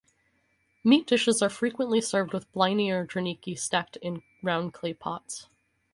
Meat dishes are frequently served with bliny or draniki stacked in round clay pots.